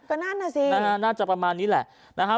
ก็น่าจะสิน่าจะประมาณนี้แหละ